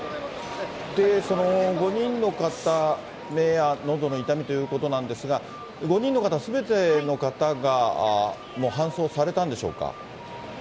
その５人の方、目やのどの痛みということなんですが、５人の方すべての方がもう搬送されたんでしょうか？